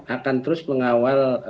akan terus mengawal